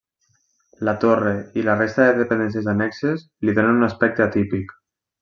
La torre i la resta de dependències annexes li donen un aspecte atípic.